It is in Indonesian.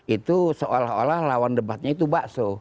itu seolah olah lawan debatnya itu bakso